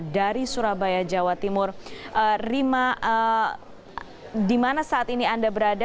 dari surabaya jawa timur rima di mana saat ini anda berada